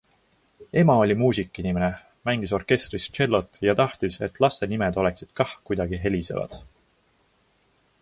Ema oli muusikainimene, mängis orkestris tšellot ja tahtis, et laste nimed oleksid kah kuidagi helisevad.